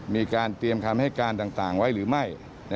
มีการเตรียมคำให้การต่างไว้หรือไม่